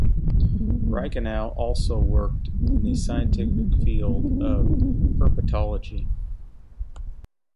Reichenow also worked in the scientific field of herpetology.